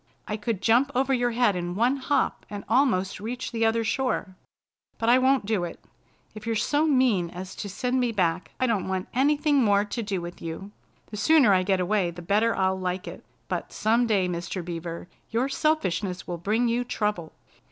I could jump over your head in one hop and almost reach the other shore. But I won't do it! If you're so mean as to send me back, I don't want anything more to do with you. The sooner I get away the better I'll like it. But some day, Mr. Beaver, your selfishness will bring you trouble.